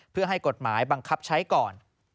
เพื่อให้กฎหมายบังคับใช้ก่อน